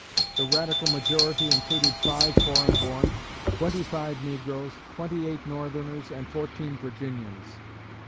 The radical majority included five foreign born, twenty five negroes, twenty eight Northerners, and fourteen Virginians.